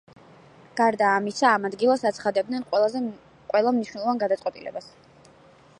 გარდა ამისა, ამ ადგილას აცხადებდნენ ყველა მნიშვნელოვან გადაწყვეტილებას.